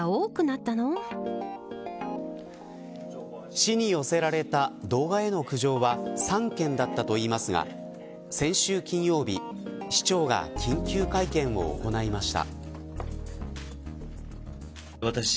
市に寄せられた動画への苦情は３件だったといいますが先週金曜日市長が緊急会見を行いました。